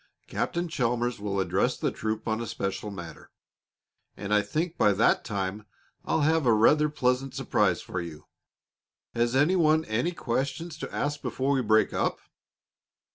Captain Chalmers will address the troop on a special matter, and I think by that time I'll have a rather pleasant surprise for you. Has any one any questions to ask before we break up?"